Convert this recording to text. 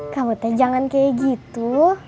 kamu teh jangan kayak gitu